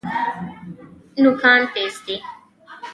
نوکان تیز دي.